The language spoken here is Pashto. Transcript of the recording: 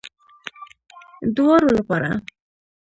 دواړو لپاره